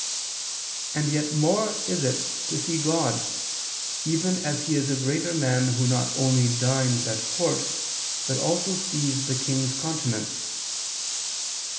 And yet more is it to see God, even as he is a greater man who not only dines at court, but also sees the king's countenance.